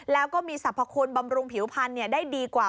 แล้วก็มีสรรพคุณบำรุงผิวพันธุ์ได้ดีกว่า